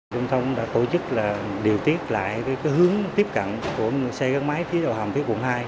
trung thông đã tổ chức điều tiết lại hướng tiếp cận của xe gắn máy phía đầu hầm phía quận hai